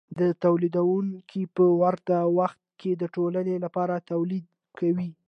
دا تولیدونکي په ورته وخت کې د ټولنې لپاره تولید کوي